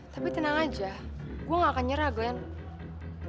tapi tenang aja gue gak akan nyerah glenn